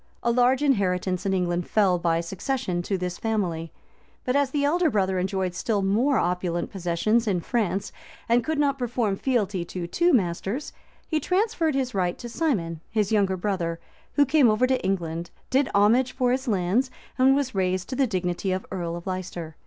A large inheritance in England fell by succession to this family; but as the elder brother enjoyed still more opulent possessions in France, and could not perform fealty to two masters, he transferred his right to Simon, his younger brother, who came over to England, did homage for his lands, and was raised to the dignity of earl of Leicester.